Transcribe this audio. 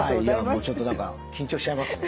ちょっと何か緊張しちゃいますね。